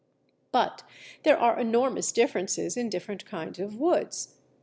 But there are enormous differences in different kinds of woods.